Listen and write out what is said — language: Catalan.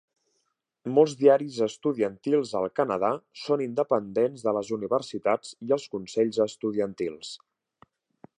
Molts diaris estudiantils al Canadà són independents de les universitats i els consells estudiantils.